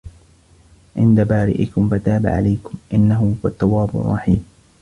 عِنْدَ بَارِئِكُمْ فَتَابَ عَلَيْكُمْ ۚ إِنَّهُ هُوَ التَّوَّابُ الرَّحِيمُ